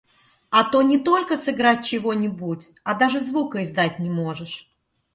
А то, не только сыграть чего-нибудь, а даже звука издать не можешь!